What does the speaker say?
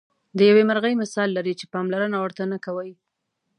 د یوې مرغۍ مثال لري چې پاملرنه ورته نه کوئ.